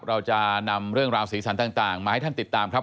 เราจะนำเรื่องราวสีสันต่างมาให้ท่านติดตามครับ